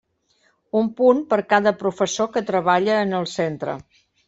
Un punt per cada professor que treballe en el centre.